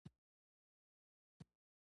تجربه مو یقین پیاوړی کوي